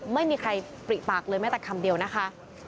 ไม่มีใครปริปากเลยแม้แต่คำเดียวนะคะ